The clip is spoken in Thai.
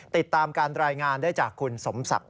ติดตามการรายงานได้จากคุณสมศักดิ์